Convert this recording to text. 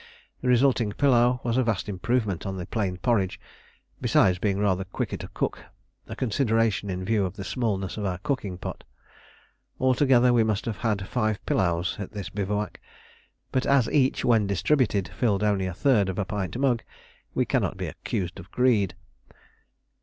The resulting pilau was a vast improvement on the plain porridge, besides being rather quicker to cook a consideration in view of the smallness of our cooking pot. Altogether we must have had five pilaus at this bivouac, but as each when distributed filled only a third of a pint mug, we cannot be accused of greed.